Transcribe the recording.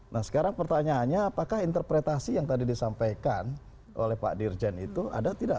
nah sekarang pertanyaannya apakah interpretasi yang tadi disampaikan oleh pak dirjen itu ada tidak